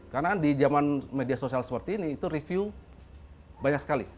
karena kan di zaman media sosial seperti ini itu review banyak sekali